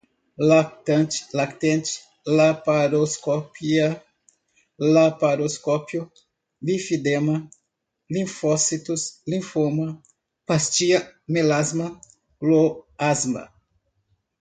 lactante, lactente, laparoscopia, laparoscópio, linfedema, linfócitos, linfoma, pastia, melasma, cloasma